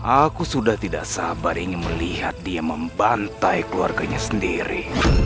aku sudah tidak sabar ingin melihat dia membantai keluarganya sendiri